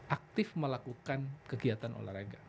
aktif melakukan kegiatan olahraga